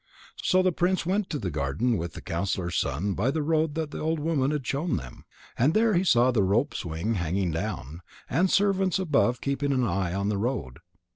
So the prince went to the garden with the counsellor's son by the road that the old woman had shown them. And there he saw the rope swing hanging down, and servants above keeping an eye on the road.